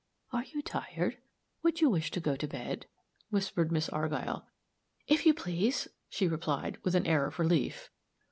"Are you tired? Would you wish to go to bed?" whispered Miss Argyll. "If you please," she replied, with an air of relief.